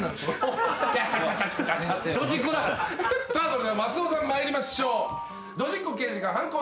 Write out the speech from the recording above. それでは松尾さん参りましょう。